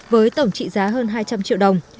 với tổng trị giá hơn hai trăm linh triệu đồng